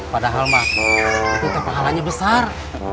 padahal mah itu pahalanya besar